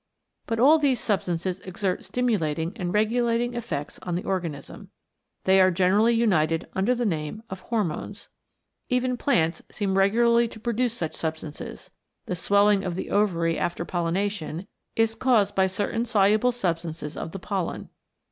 But all these substances exert stimulating and regulating effects on the organism. They are generally united under the name of Hormones. Even plants seem regularly to produce such substances. The swelling of the ovary after pollination is caused by certain soluble substances of the pollen.